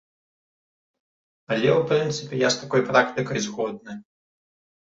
Але ў прынцыпе я з такой практыкай згодны.